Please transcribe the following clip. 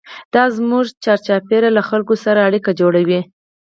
دا زموږ چارچاپېره له خلکو سره اړیکې جوړوي.